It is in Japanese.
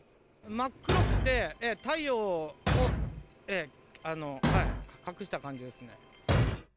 真っ黒くて、太陽を隠した感じですね。